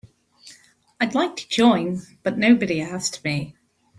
I'd like to join but nobody asked me.